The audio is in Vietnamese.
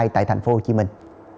tại thành phố hồ chí minh